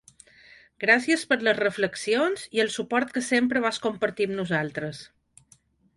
Gràcies per les reflexions i el suport que sempre vas compartir amb nosaltres.